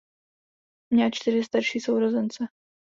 Měla čtyři starší sourozence.